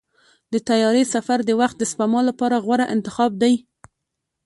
د طیارې سفر د وخت د سپما لپاره غوره انتخاب دی.